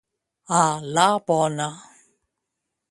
A la bona.